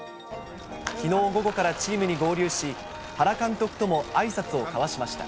きのう午後からチームに合流し、原監督ともあいさつを交わしました。